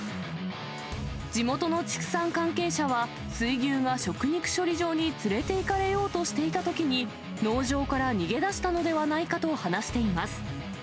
地元の畜産関係者は、水牛が食肉処理場に連れていかれようとしていたときに、農場から逃げ出したのではないかと話しています。